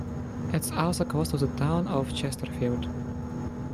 It is also close to the town of Chesterfield.